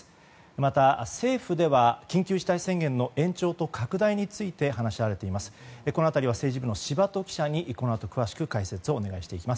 また、政府では緊急事態宣言の延長と拡大について話し合われています。